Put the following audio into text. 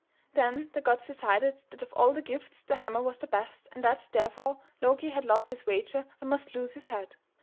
Then the gods decided that of all the gifts the hammer was the best, and that, therefore, Loki had lost his wager and must lose his head.